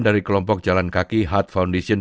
dari kelompok jalan kaki hard foundation